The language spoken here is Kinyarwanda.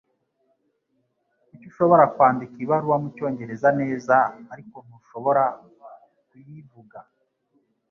Kuki ushobora kwandika ibaruwa mucyongereza neza, ariko ntushobora kuyivuga?